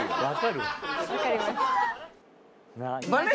わかるわ。